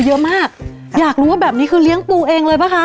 เยอะมากอยากรู้ว่าแบบนี้คือเลี้ยงปูเองเลยป่ะคะ